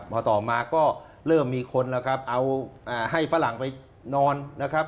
พอต่อมาก็เริ่มมีคนแล้วครับเอาให้ฝรั่งไปนอนนะครับ